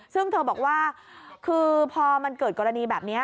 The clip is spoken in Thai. ซึ่งเธอบอกว่าคือพอมันเกิดกรณีแบบนี้